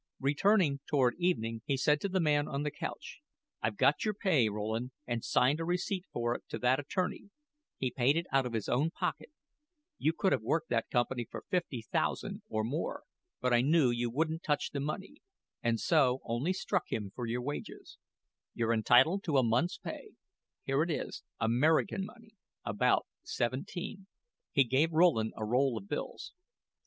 Returning toward evening, he said to the man on the couch: "I've got your pay, Rowland, and signed a receipt for it to that attorney. He paid it out of his own pocket. You could have worked that company for fifty thousand, or more; but I knew you wouldn't touch their money, and so, only struck him for your wages. You're entitled to a month's pay. Here it is American money about seventeen." He gave Rowland a roll of bills.